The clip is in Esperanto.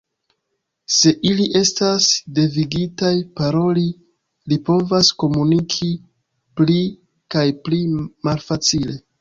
Se ili estas devigitaj paroli, ili povas komuniki pli kaj pli malfacile.